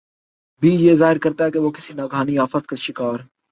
بھی یہ ظاہر کرتا ہے کہ وہ کسی ناگہانی آفت کا شکار